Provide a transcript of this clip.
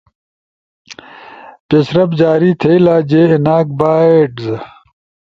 یش رفٹ جاری تھئیلا۔ جے ایناک بائٹس